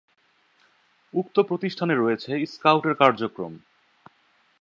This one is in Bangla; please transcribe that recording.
উক্ত প্রতিষ্ঠানে রয়েছে স্কাউট এর কার্যক্রম।